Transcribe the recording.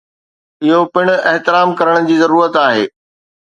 اهو پڻ احترام ڪرڻ جي ضرورت آهي.